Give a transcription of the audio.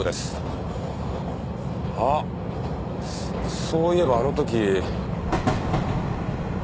あっそういえばあの時。